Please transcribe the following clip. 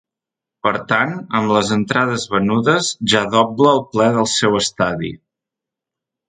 Per tant, amb les entrades venudes, ja dobla el ple del seu estadi.